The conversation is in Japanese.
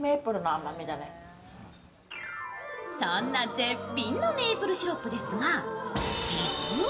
そんな絶品のメープルシロップですが、実は